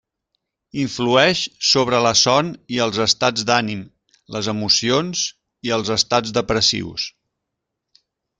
Influeix sobre la son i els estats d'ànim, les emocions i els estats depressius.